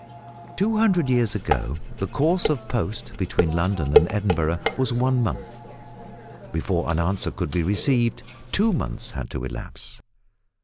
Two hundred years ago the course of post between London and Edinburgh was one month; before an answer could be received two months had to elapse!